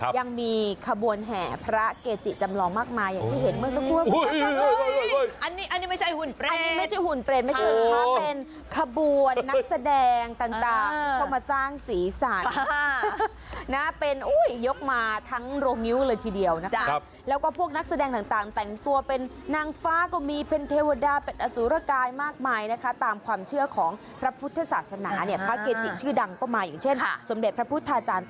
ยังมีขบวนแห่พระเกจิจำลองมากมายอย่างที่เห็นเมื่อสักครู่นี้